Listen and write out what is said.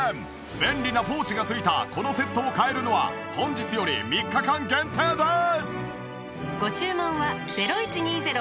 便利なポーチが付いたこのセットを買えるのは本日より３日間限定です！